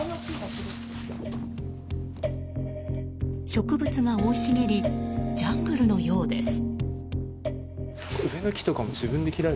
植物が生い茂りジャングルのようです。